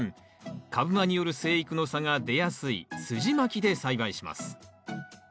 株間による生育の差が出やすいすじまきで栽培します。